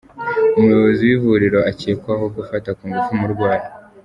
Umuyobozi w’ivuriro akekwaho gufata ku ngufu umurwayi